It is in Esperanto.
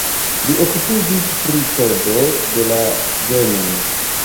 Li okupiĝis pri kodo de la genoj.